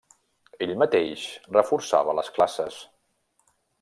Ell mateix reforçava les classes.